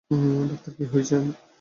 Doctor, কী হয়েছে?